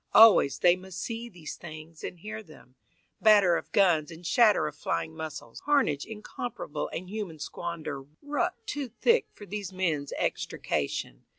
Always they must see these things and hear them, Batter of guns and shatter of flying muscles, Carnage incomparable and human squander Rucked too thick for these men's extrication.